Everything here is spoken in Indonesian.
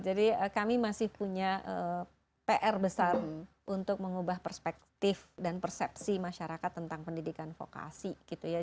jadi kami masih punya pr besar untuk mengubah perspektif dan persepsi masyarakat tentang pendidikan vokasi gitu ya